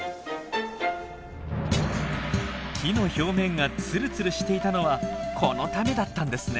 木の表面がツルツルしていたのはこのためだったんですね。